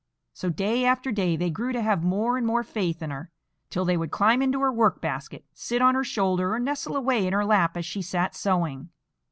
So day after day they grew to have more and more faith in her, till they would climb into her work basket, sit on her shoulder, or nestle away in her lap as she sat sewing.